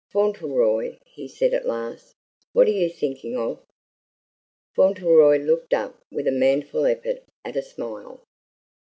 "Fauntleroy," he said at last, "what are you thinking of?" Fauntleroy looked up with a manful effort at a smile.